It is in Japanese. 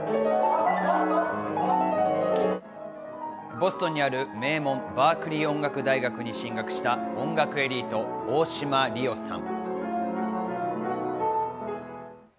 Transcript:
ボストンにある名門・バークリー音楽大学に進学した音楽エリート、大島莉旺さん。